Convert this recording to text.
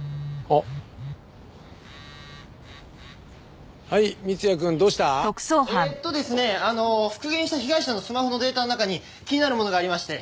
えっとですね復元した被害者のスマホのデータの中に気になるものがありまして。